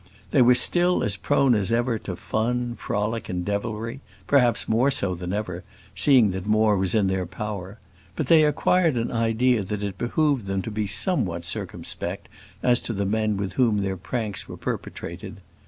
They were still as prone as ever to fun, frolic, and devilry perhaps more so than ever, seeing that more was in their power; but they acquired an idea that it behoved them to be somewhat circumspect as to the men with whom their pranks were perpetrated.